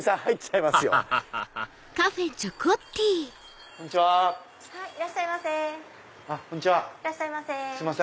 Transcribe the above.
いらっしゃいませ。